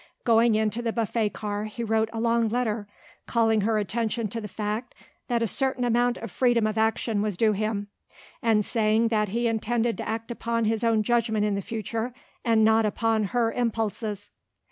Going into the buffet car he wrote a long letter calling her attention to the fact that a certain amount of freedom of action was due him, and saying that he intended to act upon his own judgment in the future and not upon her impulses.